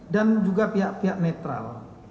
dan juga pihak pihak netral